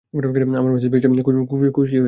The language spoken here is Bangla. আমার মেসেজ পেয়েছো বলে খুশি হলাম।